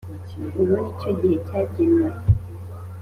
Ubu ni cyo gihe cyagenwe